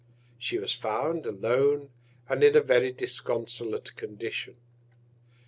She was found alone, and in a very disconsolate Condition.